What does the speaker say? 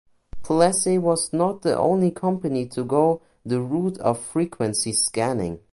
Plessey was not the only company to go the route of frequency scanning.